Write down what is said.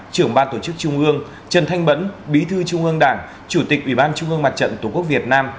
trưởng ban tổ chức trung ương trần thanh bẫn bí thư trung ương đảng chủ tịch ủy ban trung ương mặt trận tổ quốc việt nam